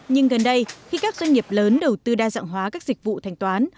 nhưng gần đây khi các doanh nghiệp lớn đầu tư đa dạng hóa các dịch vụ thanh toán